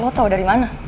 lo tau dari mana